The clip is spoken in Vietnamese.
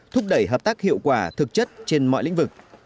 thúc đẩy hợp tác hiệu quả thực chất trên mọi lĩnh vực